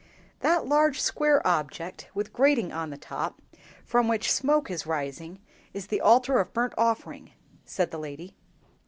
"That large square object with grating on the top, from which smoke is rising, is the Altar of burnt offering," said the lady.